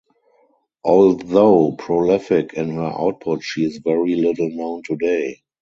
Although prolific in her output she is very little known today.